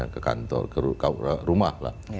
ke kantor ke rumah